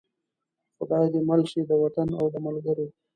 خدای دې مل شي د وطن او د ملګرو.